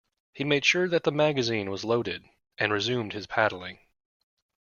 He made sure that the magazine was loaded, and resumed his paddling.